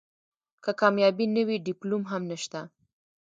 که کامیابي نه وي ډیپلوم هم نشته .